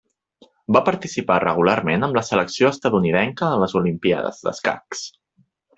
Va participar regularment amb la selecció estatunidenca a les Olimpíades d'escacs.